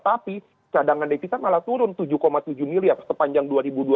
tapi cadangan devisa malah turun tujuh tujuh miliar sepanjang dua ribu dua puluh